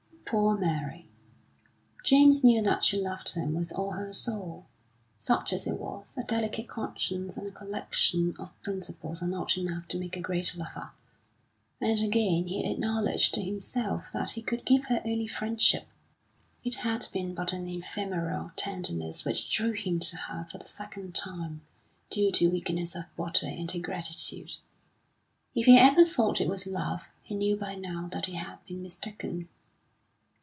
Poor Mary! James knew that she loved him with all her soul, such as it was (a delicate conscience and a collection of principles are not enough to make a great lover), and again he acknowledged to himself that he could give her only friendship. It had been but an ephemeral tenderness which drew him to her for the second time, due to weakness of body and to gratitude. If he ever thought it was love, he knew by now that he had been mistaken.